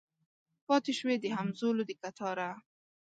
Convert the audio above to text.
پاته شوي د همزولو د کتاره